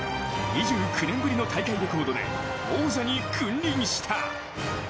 ２９年ぶりの大会レコードで王者に君臨した。